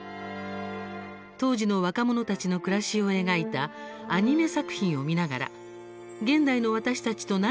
当時の若者たちの暮らしを描いたアニメ作品を見ながら現代の私たちと何が違うのか？